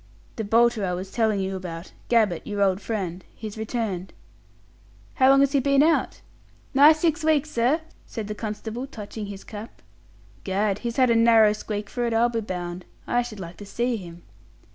"The bolter I was telling you about Gabbett, your old friend. He's returned." "How long has he been out?" "Nigh six weeks, sir," said the constable, touching his cap. "Gad, he's had a narrow squeak for it, I'll be bound. I should like to see him."